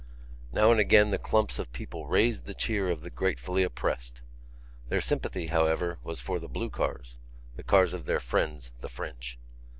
Now and again the clumps of people raised the cheer of the gratefully oppressed. Their sympathy, however, was for the blue cars—the cars of their friends, the French.